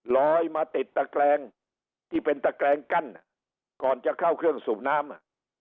ลอยมาติดตะแกรงที่เป็นตะแกรงกั้นก่อนจะเข้าเครื่องสูบน้ำอ่ะ